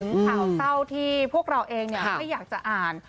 ข่าวเศร้าที่พวกเราเองไม่อยากจะอ่าน